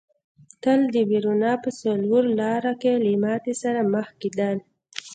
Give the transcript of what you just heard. تل د وېرونا په څلور لاره کې له ماتې سره مخ کېدل.